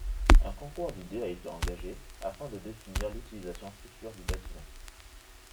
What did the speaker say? Un concours d'idées a été engagé afin de définir l'utilisation future du bâtiment.